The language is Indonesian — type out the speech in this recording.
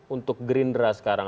untuk gerindra sekarang